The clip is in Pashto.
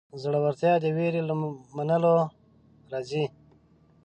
زړورتیا د وېرې له منلو راځي.